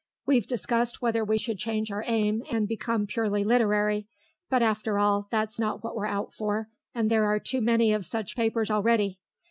We've discussed whether we should change our aim and become purely literary; but after all, that's not what we're out for, and there are too many of such papers already.